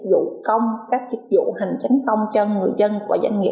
các dịch vụ công các dịch vụ hành tránh công cho người dân và doanh nghiệp